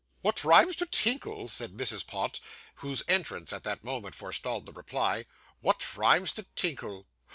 'What rhymes to tinkle?' said Mrs. Pott, whose entrance at the moment forestalled the reply. 'What rhymes to tinkle?